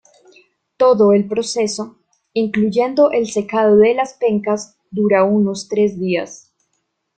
Todo el proceso, incluyendo el secado de las pencas, dura unos tres días.